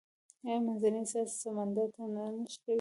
آیا منځنۍ اسیا سمندر ته نه نښلوي؟